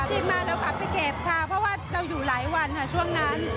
ติดมาเราขับไปเก็บค่ะเพราะว่าเราอยู่หลายวันค่ะช่วงนั้น